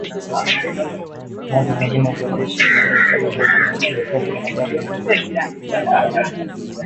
Vyanzo vingine vya jeshi la serikali vililiambia shirika la habari la Reuters